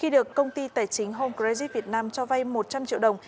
được công ty tài chính home credit việt nam cho vay một trăm linh triệu đồng